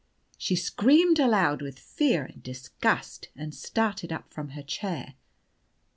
She screamed aloud with fear and disgust, and started up from her chair.